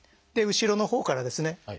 後ろのほうからですね